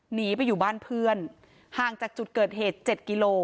หนีไปอยู่บ้านเพื่อนห่างจากจุดเกิดเหตุ๗กิโล